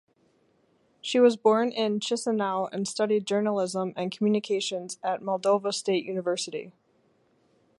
She was born in Chisinau and studied journalism and communications at Moldova State University.